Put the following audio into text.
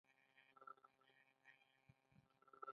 د اشوکا ډبرلیک په کندهار کې شته